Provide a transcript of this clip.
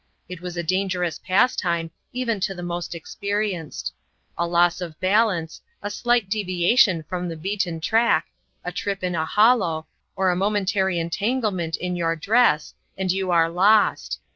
It was a dangerous pastime even to the most experienced. A loss of balance, a slight deviation from the beaten track, a trip in a hollow, or a momentary entanglement in your dress, and you are lost!